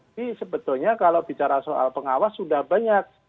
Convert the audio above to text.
ini sebetulnya kalau bicara soal pengawas sudah banyak